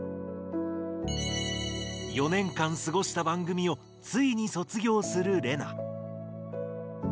４年間過ごした番組をついに卒業するレナ。